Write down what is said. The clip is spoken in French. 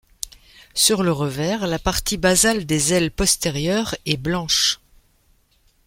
Sur le revers la partie basale des ailes postérieures est blanche.